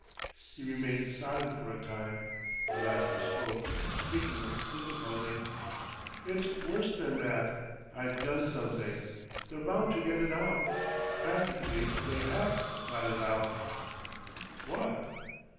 He remained silent for a time. At last he spoke—speaking with difficulty. "It's worse than that. I've done something. They're bound to get it out. Practically they have got it out." "What?"